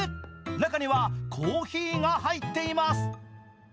中にはコーヒーが入っています。